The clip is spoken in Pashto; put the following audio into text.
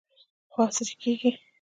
خو عصري کیږي.